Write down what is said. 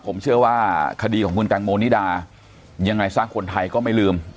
ผมเชื่อว่าคดีของคุณแตงโมนิดายังไงซะคนไทยก็ไม่ลืม